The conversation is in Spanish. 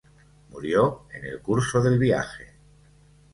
Murió en el curso del viaje.